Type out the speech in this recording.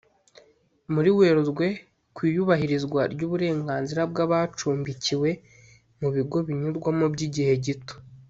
muri werurwe ku iyubahirizwa ry uburenganzira bw abacumbikiwe mu bigo binyurwamo by igihe gito